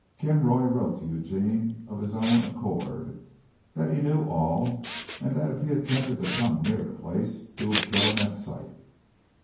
Kinroy wrote to Eugene of his own accord that he knew all, and that if he attempted to come near the place he would kill him at sight.